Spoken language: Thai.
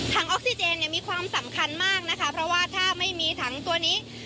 ออกซิเจนเนี่ยมีความสำคัญมากนะคะเพราะว่าถ้าไม่มีถังตัวนี้